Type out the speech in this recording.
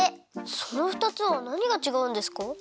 そのふたつはなにがちがうんですか？